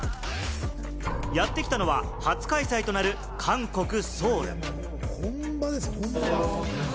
やってきたのは初開催となる韓国・ソウル。